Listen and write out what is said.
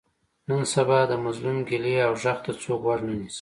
نن سبا د مظلوم ګیلې او غږ ته څوک غوږ نه نیسي.